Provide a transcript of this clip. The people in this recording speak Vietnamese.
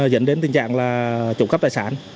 dẫn đến tình trạng trộm cắp tài sản